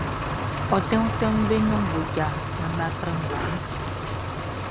Ontin ontin be nɔn mmoja naan bʼa tran nguan nun.